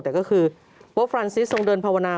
แต่ก็คือว่าฟรานซิสทรงเดินภาวนา